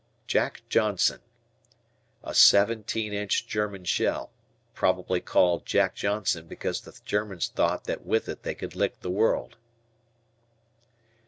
J "Jack Johnson." A seventeen inch German shell. Probably called "Jack Johnson" because the Germans thought that with it they could lick the world.